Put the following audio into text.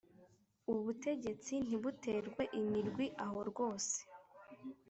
Ubutegetsi ntibuterwe imirwi aho rwose